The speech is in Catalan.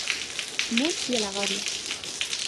Muts i a la gàbia!